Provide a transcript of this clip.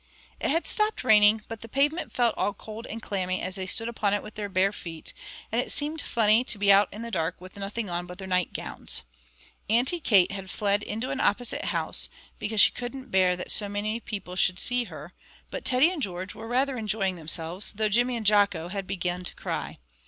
It had stopped raining, but the pavement felt all cold and clammy as they stood upon it with their bare feet, and it seemed funny to be out in the dark with nothing on but their nightgowns. Auntie Kate had fled into an opposite house, because she couldn't bear that so many people should see her; but Teddy and George were rather enjoying themselves, though Jimmy and Jocko had begun to cry.